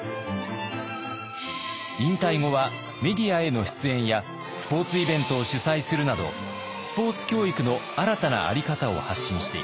引退後はメディアへの出演やスポーツイベントを主催するなどスポーツ教育の新たなあり方を発信しています。